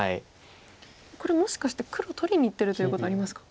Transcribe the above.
これもしかして黒を取りにいってるということはありますか。